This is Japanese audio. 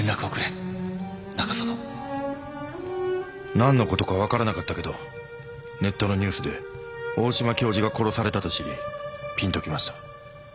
なんの事かわからなかったけどネットのニュースで大島教授が殺されたと知りピンときました。